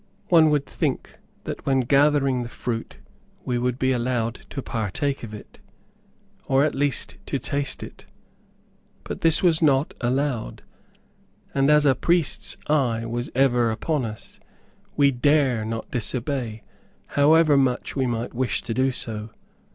One would think that when gathering the fruit we would be allowed to partake of it, or at least to taste it. But this was not allowed; and as a priest's eye was ever upon us, we dare not disobey, however much we might wish to do so.